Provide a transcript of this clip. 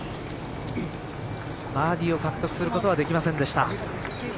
バーディーを獲得することはできませんでした。